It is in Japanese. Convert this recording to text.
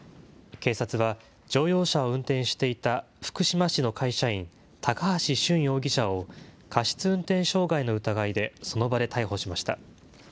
警察は乗用車を運転していた福島市の会社員、高橋俊容疑者を、過失運転傷害の疑いでその場で逮捕しました。